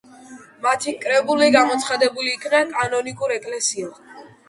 მათი კრებული გამოცხადებული იქნა კანონიკურ ეკლესიად.